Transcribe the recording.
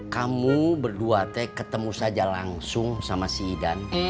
kamu berdua teh ketemu saja langsung sama si idan